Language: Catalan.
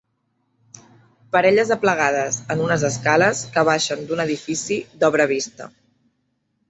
Parelles aplegades en unes escales que baixen d'un edifici d'obra vista